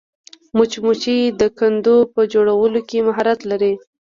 مچمچۍ د کندو په جوړولو کې مهارت لري